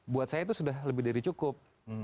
buat saya itu sudah lebih dari cukup